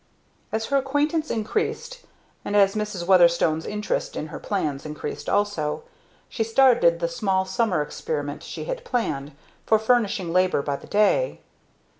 As her acquaintance increased, and as Mrs. Weatherstone's interest in her plans increased also, she started the small summer experiment she had planned, for furnishing labor by the day.